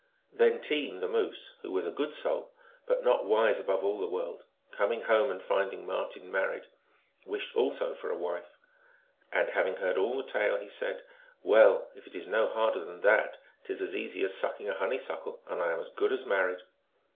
Then Team, the Moose, who was a good soul, but not wise above all the world, coming home and find ing Marten married, wished also for a wife. And having heard all the tale, he said, " Well, if it is no harder than that, t is as easy as sucking a honey suckle, and I am as good as married."